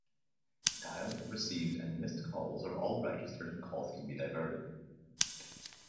Dialed, received and missed calls are all registered and calls can be diverted.